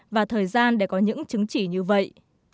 và thời gian để có những chứng chỉ như vậy